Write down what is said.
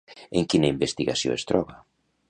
En quina investigació es troba?